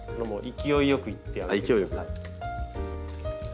勢いよく。